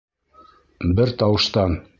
Бер тауыштан!